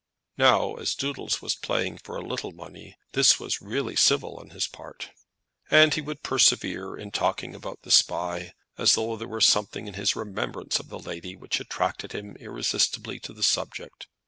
Now as Doodles was playing for a little money, this was really civil on his part. And he would persevere in talking about the Spy, as though there were something in his remembrance of the lady which attracted him irresistibly to the subject.